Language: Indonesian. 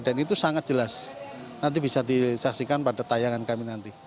dan itu sangat jelas nanti bisa disaksikan pada tayangan kami nanti